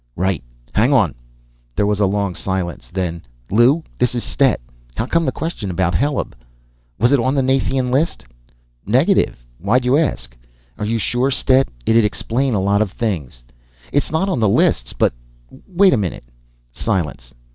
"_ "Right. Hang on." There was a long silence, then: "Lew, this is Stet. How come the question about Heleb?" "Was it on that Nathian list?" "Negative. Why'd you ask?" "Are you sure, Stet? It'd explain a lot of things." "It's not on the lists, but ... wait a minute." Silence.